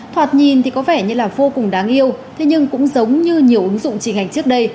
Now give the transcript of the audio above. thoạt nhìn thì có vẻ như là vô cùng đáng yêu thế nhưng cũng giống như nhiều ứng dụng trình ảnh trước đây